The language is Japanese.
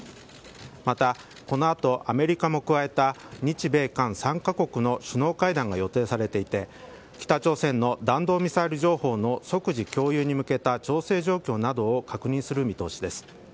また、この後アメリカも加えた日米韓３カ国の首脳会談が予定されていて北朝鮮の弾道ミサイル情報の即時共有に向けた調整状況などを確認する見通しです。